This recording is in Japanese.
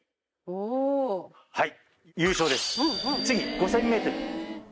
はい優勝です次。